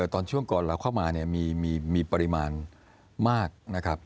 ตอนช่วงก่อนเราเข้ามามีปริมาณมากนะครับ